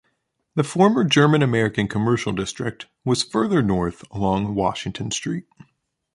The former German-American commercial district was further north along Washington Street.